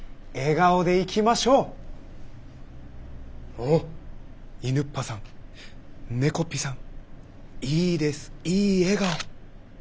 おっいぬっぱさんねこっぴさんいいですいい笑顔。